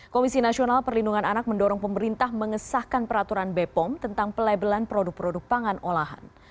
komisi nasional perlindungan anak mendorong pemerintah mengesahkan peraturan bepom tentang pelabelan produk produk pangan olahan